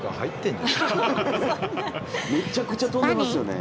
めちゃくちゃ跳んでますよね。